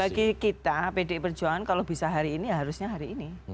bagi kita pdi perjuangan kalau bisa hari ini harusnya hari ini